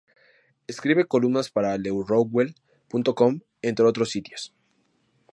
Escribe columnas para LewRockwell.com, entre otros sitios.